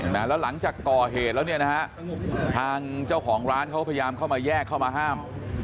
แล้วหลังจากก่อเหตุแล้วเนี่ยนะฮะทางเจ้าของร้านเขาพยายามเข้ามาแยกเข้ามาห้าม